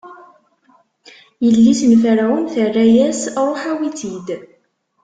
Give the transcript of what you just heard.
Yelli-s n Ferɛun terra-as: Ruḥ awi-tt-id!